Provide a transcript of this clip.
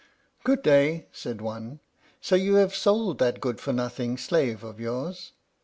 "Good day!" said one. "So you have sold that good for nothing slave of yours?"